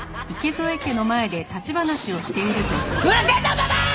うるせえぞババア！